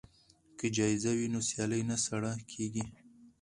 که جایزه وي نو سیالي نه سړه کیږي.